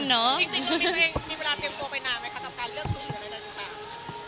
จริงเรามีตัวเองมีเวลาเต็มตัวไปนานไหมคะกับการเลือกสนุกอะไรอย่างเงี้ยค่ะ